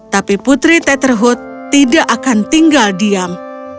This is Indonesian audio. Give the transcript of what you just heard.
tapi putri tetherhood tidak akan tinggal diam